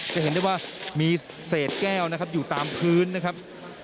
จะเห็นได้ว่ามีเศษแก้วนะครับอยู่ตามพื้นนะครับ